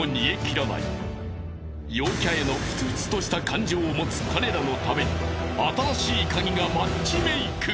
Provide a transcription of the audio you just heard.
［陽キャへの沸々とした感情を持つ彼らのために『新しいカギ』がマッチメイク］